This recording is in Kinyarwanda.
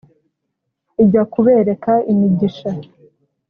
Ijya kubereka imigisha.